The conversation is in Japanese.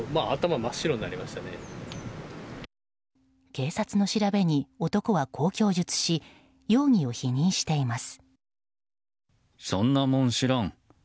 警察の調べに男は、こう供述し容疑を否認しています。